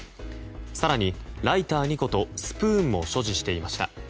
更に、ライター２個とスプーンも所持していました。